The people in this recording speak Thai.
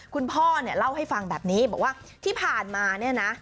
คุณพ่อเนี่ยเล่าให้ฟังแบบนี้บอกว่าที่ผ่านมาเนี่ยนะ